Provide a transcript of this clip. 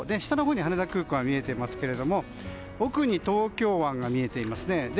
下のほうに羽田空港が見えていますけれども奥に東京湾が見えていますね。